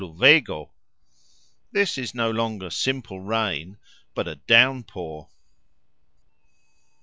This is no longer simple rain, but a downpour.